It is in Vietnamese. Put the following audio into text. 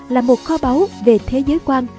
là một kho báu về thế giới quan